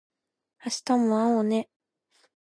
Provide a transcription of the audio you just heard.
明日も会おうね